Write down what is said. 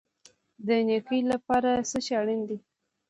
د نیکۍ لپاره څه شی اړین دی؟